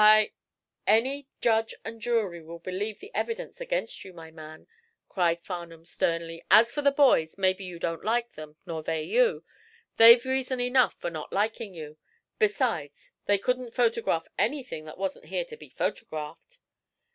I " "Any judge and jury will believe the evidence against you, my man," cried Farnum, sternly. "As for the boys, maybe you don't like them, nor they you. They've reason enough for not liking you. Besides, they couldn't photograph anything that wasn't here to be photographed."